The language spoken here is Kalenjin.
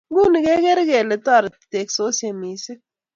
Nguno kekere kole toriti teksosite mising